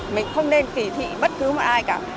mình không nên kỳ thị bất cứ ai cả